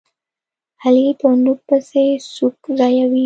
علي په نوک پسې سوک ځایوي.